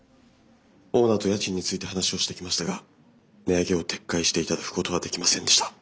オーナーと家賃について話をしてきましたが値上げを撤回していただくことはできませんでした。